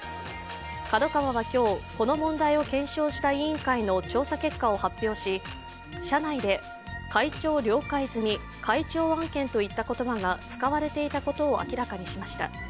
ＫＡＤＯＫＡＷＡは今日、この問題を検証した委員会の調査結果を発表し社内で、会長了解済み、会長案件といった言葉が使われていたことを明らかにしました。